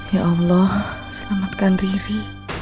ya allah selamatkan riri